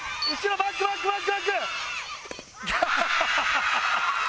バックバックバック！